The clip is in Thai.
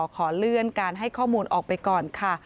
ขอเลื่อนการให้ข้อมูลออกไปก่อนค่ะ